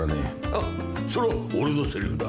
あっそれは俺のせりふだ。